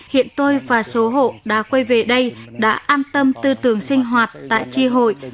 hiện tôi và số hộ đã quay về đây đã an tâm tư tưởng sinh hoạt tại tri hội